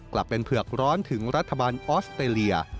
กลับเป็นเผือกร้อนถึงรัฐบาลออสเตรเลีย